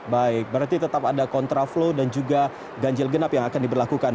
baik berarti tetap ada kontraflow dan juga ganjil genap yang akan diberlakukan